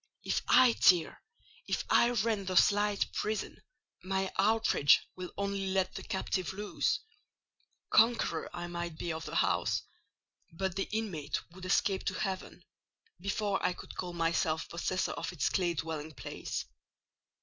If I tear, if I rend the slight prison, my outrage will only let the captive loose. Conqueror I might be of the house; but the inmate would escape to heaven before I could call myself possessor of its clay dwelling place.